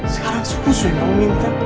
sekarang susu yang kamu minta